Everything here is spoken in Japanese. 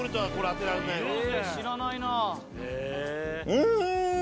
うん！